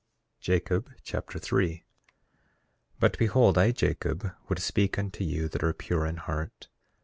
Jacob Chapter 3 3:1 But behold, I, Jacob, would speak unto you that are pure in heart.